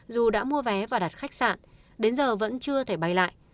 dù đã mua vé và đặt khách sạn đến giờ vẫn chưa thể bay lại